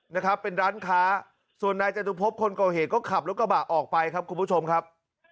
นะครับเป็นร้านค้าส่วนนายจตุพบคนก่อเหตุก็ขับรถกระบะออกไปครับคุณผู้ชมครับ